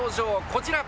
こちら。